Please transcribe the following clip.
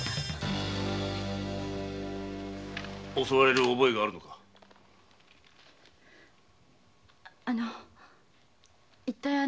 襲われる覚えがあるのか？